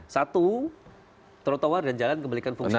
satu trotoar dan jalan kembalikan fungsi